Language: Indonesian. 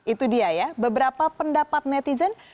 itu dia ya beberapa pendapat netizen